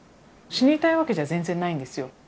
死にたいわけじゃ全然ないんですよ。